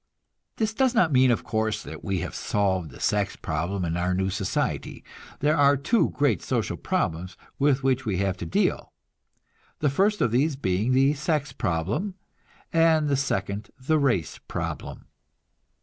This does not mean, of course, that we have solved the sex problem in our new society. There are two great social problems with which we have to deal, the first of these being the sex problem, and the second the race problem.